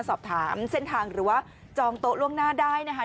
สอบถามเส้นทางหรือว่าจองโต๊ะล่วงหน้าได้นะคะ